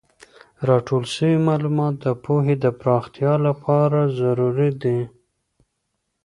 راټول سوی معلومات د پوهې د پراختیا لپاره ضروري دي.